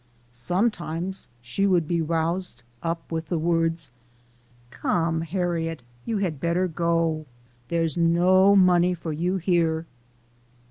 Sometimes she would be roused up with the words, " Come, Harriet, you had better go. There's no money for you here."